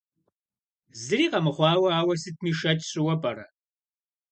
Зыри къэмыхъуауэ ауэ сытми шэч сщӏыуэ пӏэрэ?